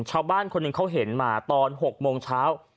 ชาวบ้านคนหนึ่งเขาเห็นมาตอน๖โมงเช้า